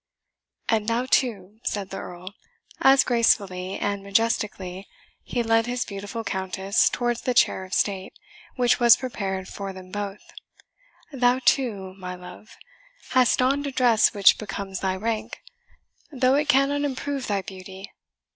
"And thou too," said the Earl, as gracefully and majestically he led his beautiful Countess towards the chair of state which was prepared for them both "thou too, my love, hast donned a dress which becomes thy rank, though it cannot improve thy beauty.